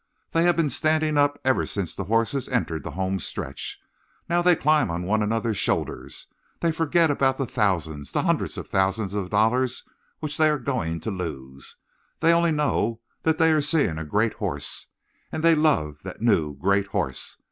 They have been standing up ever since the horses entered the home stretch. Now they climb on one another's shoulders. They forget all about thousands the hundreds of thousands of dollars which they are going to lose. They only know that they are seeing a great horse. And they love that new, great horse.